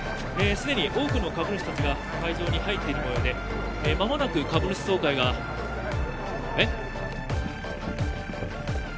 既に多くの株主達が会場に入っているもようで間もなく株主総会がえっ？